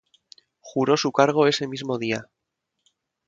Juró su cargo ese mismo día.